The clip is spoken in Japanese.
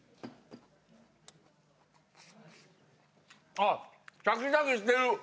ああシャキシャキしてる！